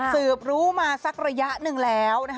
สืบรู้มาสักระยะหนึ่งแล้ว